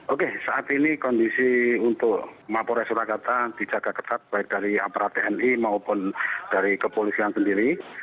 oke saat ini kondisi untuk mapores surakarta dijaga ketat baik dari aparat tni maupun dari kepolisian sendiri